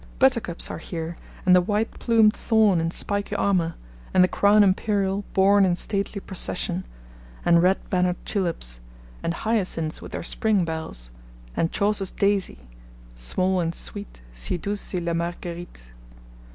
Buttercups are here, and the white plumed Thorn in spiky armour, and the Crown imperial borne in stately procession, and red bannered Tulips, and Hyacinths with their spring bells, and Chaucer's Daisy small and sweet, Si douce est la Marguerite.